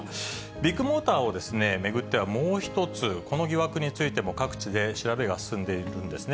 ビッグモーターを巡ってはもう一つ、この疑惑についても各地で調べが進んでいるんですね。